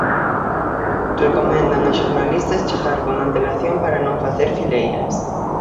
Recomendan a xornalistas chegar con antelación para non facer fileiras.